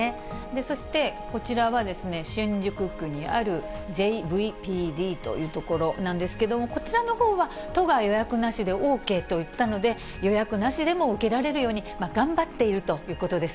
そして、こちらは新宿区にあるＪーＶＰＤというところなんですけども、こちらのほうは、都が予約なしでＯＫと言ったので、予約なしでも受けられるように、頑張っているということです。